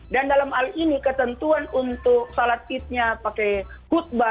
dan dalam hal ini ketentuan untuk salat id nya pakai khutbah